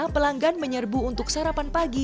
pelanggan menyerbu untuk sarapan pagi